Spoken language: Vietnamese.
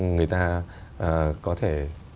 người ta có thể